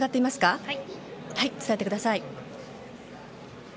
伝えてください。